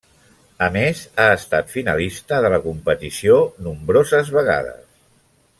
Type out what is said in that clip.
A més ha estat finalista de la competició nombroses vegades.